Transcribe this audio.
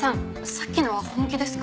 さっきのは本気ですか？